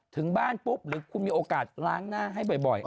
ถึงบ้านปุ๊บหรือคุณมีโอกาสล้างหน้าให้บ่อย